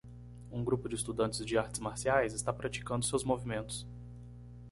Um grupo de estudantes de artes marciais está praticando seus movimentos.